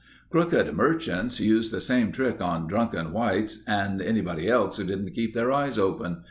"Crooked merchants used the same trick on drunken whites and anybody else who didn't keep their eyes open.